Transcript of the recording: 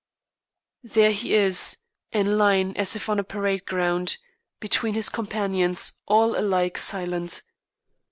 There he is, in line as if on a parade ground, between his companions, all alike silent.